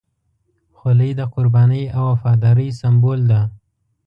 خولۍ د قربانۍ او وفادارۍ سمبول ده.